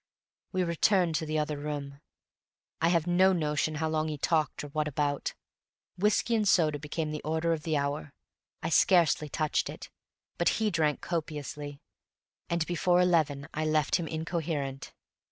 We returned to the other room. I have no notion how long he talked, or what about. Whiskey and soda water became the order of the hour. I scarcely touched it, but he drank copiously, and before eleven I left him incoherent.